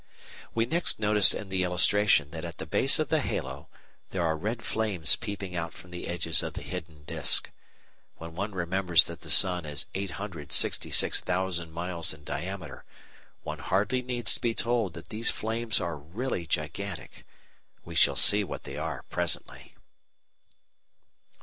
We next notice in the illustration that at the base of the halo there are red flames peeping out from the edges of the hidden disc. When one remembers that the sun is 866,000 miles in diameter, one hardly needs to be told that these flames are really gigantic. We shall see what they are presently.